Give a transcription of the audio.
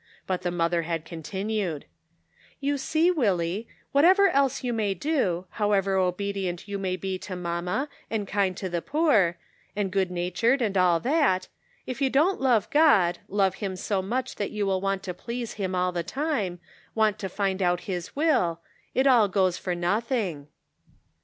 But the mother had continued : "You see, Willie, whatever else you may do, however obedient you may be to mamma, and kind to the poor, and good natured and all that, if you don't love God, love him so much that you will want to please him all the time, want to find out his will, it all goes for nothing."